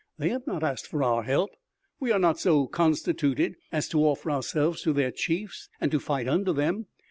They have not asked for our help. We are not so constituted as to offer ourselves to their chiefs and to fight under them.